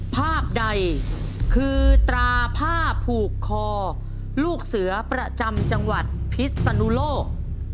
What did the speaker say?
ภาพใดคือตราผ้าผูกคอลูกเสือประจำจังหวัดพิษนุโลก